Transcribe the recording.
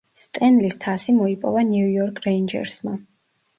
სტენლის თასი მოიპოვა ნიუ იორკ რეინჯერსმა.